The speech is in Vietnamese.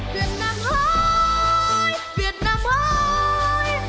việt nam ơi việt nam ơi